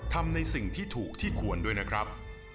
ทำในสิ่งที่ถูกที่ควรด้วยนะครับ